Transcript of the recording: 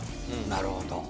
なるほど。